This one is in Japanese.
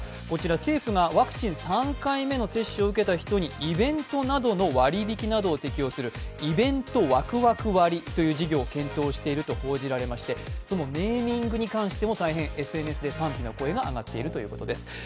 こちら政府がワクチン３回目の接種を受けた人にイベントなどの割引などを適用するイベントワクワク割りという事業を検討しているということでそのネーミングに関しても大変ＳＮＳで賛否の声が上がっているということです。